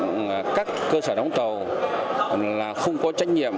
tình trạng các cơ sở đóng tàu là không có trách nhiệm